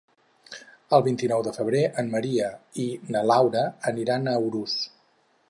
El vint-i-nou de febrer en Maria i na Laura aniran a Urús.